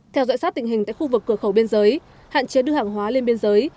theo dõi sát tình hình tại khu vực cửa khẩu biên giới hạn chế đưa hàng hóa lên biên giới